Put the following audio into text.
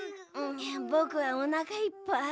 ぼくはおなかいっぱい。